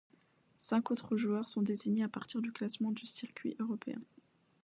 Cinq autres joueurs sont désignés à partir du classement du circuit européen.